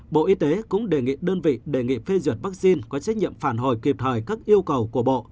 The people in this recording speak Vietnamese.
bộ y tế cũng đề nghị đơn vị đề nghị phê duyệt vaccine có trách nhiệm phản hồi kịp thời các yêu cầu của bộ